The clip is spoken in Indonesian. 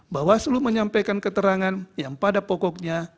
bawaslu menyampaikan keterangan yang pada pokoknya